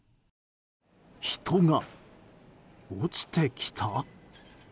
人が、落ちてきた？